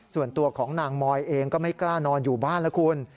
ส่วนตัวของนางมอยเองก็ไม่กล้านอนอยู่บ้านแล้วคุณ